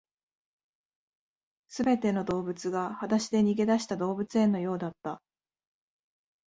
全ての動物が裸足で逃げ出した動物園のようだった